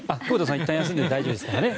いったん休んで大丈夫ですからね。